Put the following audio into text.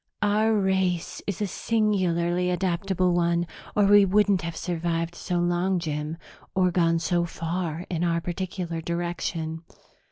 "Our race is a singularly adaptable one or we wouldn't have survived so long, Jim, or gone so far in our particular direction.